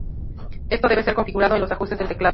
Este debe ser configurado en los ajustes del teclado.